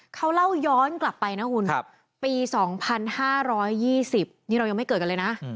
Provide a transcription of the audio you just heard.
เขาเล่าย้อนกลับไปนะคุณปี๒๕๒๐นี่เรายังไม่เกิดกันเลยนะ